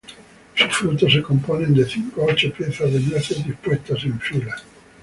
Sus frutos se componen de cinco a ocho piezas de nueces dispuestas en fila.